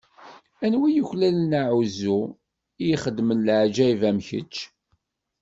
Anwa i yuklalen aɛuzzu, i ixeddmen leɛǧayeb am kečč?